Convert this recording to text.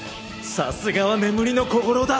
さすがは眠りの小五郎だ。